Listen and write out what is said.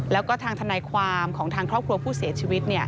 แล้วก็ทางทนายความของทางครอบครัวผู้เสียชีวิต